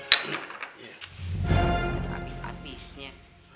ini udah abis abisnya